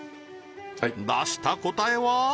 出した答えは？